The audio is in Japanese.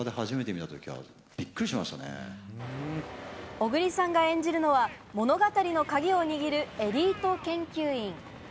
小栗さんが演じるのは物語のカギを握るエリート研究員。